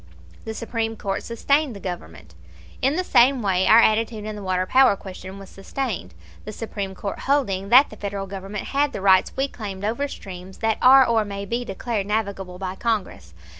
The Supreme Court sustained the Government. In the same way our attitude in the water power question was sustained, the Supreme Court holding that the Federal Government had the rights we claimed over streams that are or may be declared navigable by Congress.